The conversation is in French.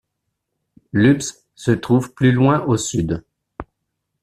Lübz se trouve plus loin au sud.